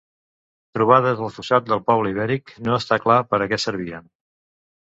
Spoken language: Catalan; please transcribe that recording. Trobades al fossat de poble ibèric, no està clar per a què servien.